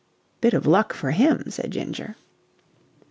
"Bit of luck for him," said Ginger.